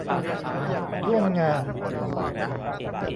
ร่วมงาน